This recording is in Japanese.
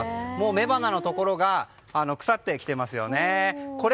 雌花のところが腐ってきてますよね。